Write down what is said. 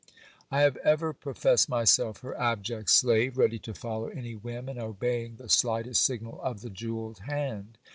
I have ever professed myself her abject slave, ready to follow any whim, and obeying the slightest signal of the jewelled hand.